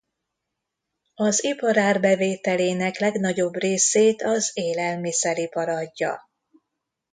Az ipar árbevételének legnagyobb részét az élelmiszeripar adja.